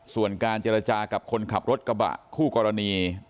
ส่วนการเจรจากับคนขับรถกระบะคู่กรณี